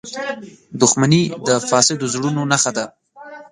• دښمني د فاسدو زړونو نښه ده.